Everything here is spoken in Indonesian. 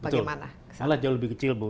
betul salah jauh lebih kecil bu